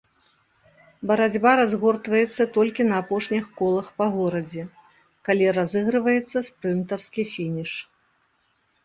Барацьба разгортваецца толькі на апошніх колах па горадзе, калі разыгрываецца спрынтарскі фініш.